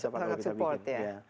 sangat support ya